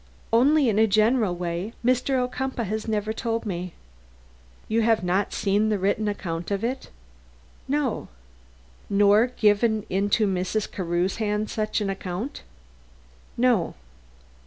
"Only in a general way. Mr. Ocumpaugh has never told me." "You have not seen the written account of it?" "No." "Nor given into Mrs. Carew's hand such an account?" "No."